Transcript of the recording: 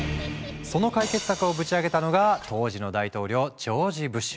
その解決策をぶち上げたのが当時の大統領ジョージ・ブッシュ。